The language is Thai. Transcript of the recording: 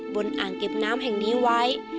อ่างเก็บน้ำแห่งนี้ไว้